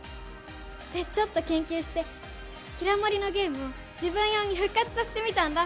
でちょっと研究してキラもりのゲームを自分用に復活させてみたんだ。